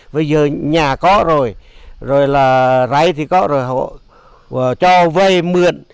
bây giờ nhà có rồi rồi là ráy thì có rồi họ cho vây mượn